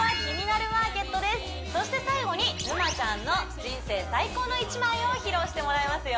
そして最後に沼ちゃんの人生最高の一枚を披露してもらいますよ